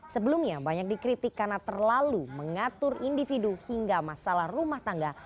sebelumnya banyak dikritik karena terlalu mengatur individu hingga masalah rumah tangga